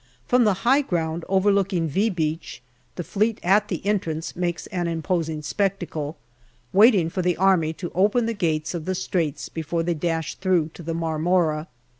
From the high ground overlooking " V " Beach the Fleet at the entrance makes an imposing spectacle, waiting for the Army to open the gates of the Straits before they dash through to the Marmora.